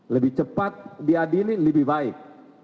lebih cepat diadili lebih baik